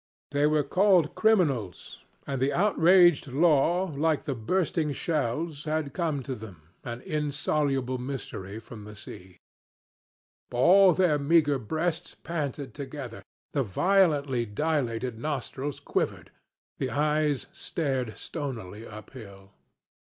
They were called criminals, and the outraged law, like the bursting shells, had come to them, an insoluble mystery from over the sea. All their meager breasts panted together, the violently dilated nostrils quivered, the eyes stared stonily uphill.